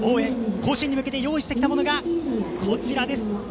甲子園に向けて用意してきたものが、こちらです。